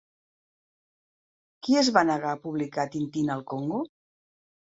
Qui es va negar a publicar Tintín al Congo?